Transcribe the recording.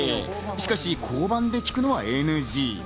しかし交番で聞くのはＮＧ。